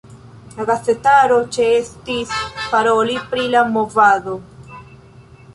La gazetaro ĉesis paroli pri la movado.